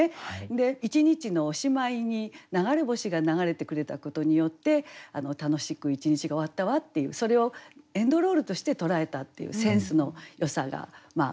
一日のおしまいに流れ星が流れてくれたことによって楽しく一日が終わったわっていうそれをエンドロールとして捉えたっていうセンスのよさが心引かれたところですかね。